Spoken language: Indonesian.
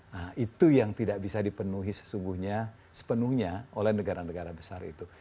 nah itu yang tidak bisa dipenuhi sesungguhnya sepenuhnya oleh negara negara besar itu